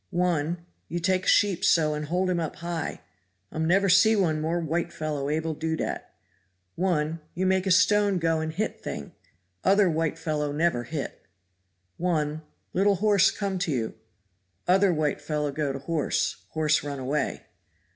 One you take a sheep so and hold him up high. Um never see one more white fellow able do dat. One you make a stone go and hit thing; other white fellow never hit. One little horse come to you; other white fellow go to horse horse run away.